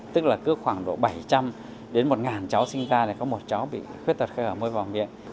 tức là cứ khoảng độ bảy trăm linh đến một ngàn cháu sinh ra có một cháu bị khuyết tật khe hở môi vò miệng